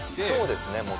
そうですね。